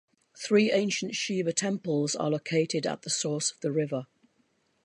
Three ancient Shiva temples are located at the source of the river.